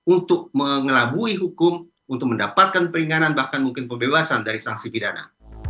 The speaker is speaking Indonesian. untuk mengelabui hukum untuk mendapatkan peringanan bahkan mungkin pembebasan dari sanksi pidana